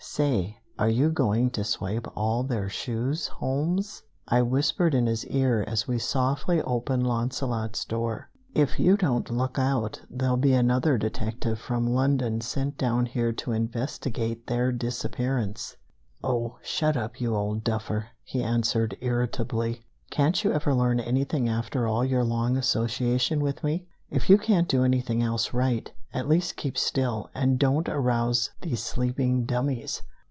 "Say, are you going to swipe all their shoes, Holmes?" I whispered in his ear, as we softly opened Launcelot's door. "If you don't look out, there'll be another detective from London sent down here to investigate their disappearance!" "Oh, shut up, you old duffer!" he answered irritably. "Can't you ever learn anything after all your long association with me? If you can't do anything else right, at least keep still, and don't arouse these sleeping dummies."